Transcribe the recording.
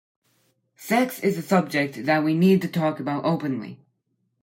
Sex is a subject that we need to talk about openly.